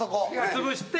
潰して。